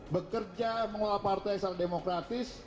bekerja mengelola partai yang secara demokratis